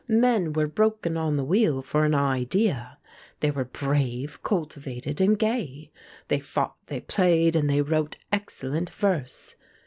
Men were broken on the wheel for an idea: they were brave, cultivated, and gay; they fought, they played, and they wrote excellent verse.